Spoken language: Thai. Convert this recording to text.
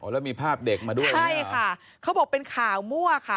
แล้วมีภาพเด็กมาด้วยใช่ค่ะเขาบอกเป็นข่าวมั่วค่ะ